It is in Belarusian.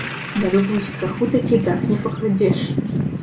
На любую страху такі дах не пакладзеш.